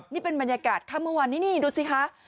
นี่เป็นบรรยากาศเมื่อวันนี้ดูสิคะ